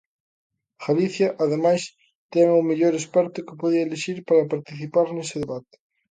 Galicia, ademais, ten o mellor experto que podía elixir para participar nese debate.